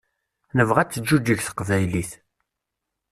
Nebɣa ad teǧǧuǧeg teqbaylit.